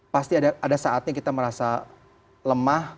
pasti ada saatnya kita merasa lemah